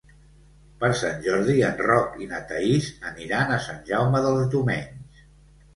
Per Sant Jordi en Roc i na Thaís aniran a Sant Jaume dels Domenys.